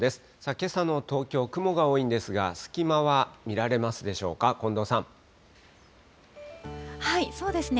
けさの東京、雲が多いんですが、隙間は見られますでしょうか、近そうですね。